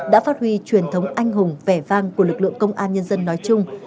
đã phát huy truyền thống anh hùng vẻ vang của lực lượng công an nhân dân nói chung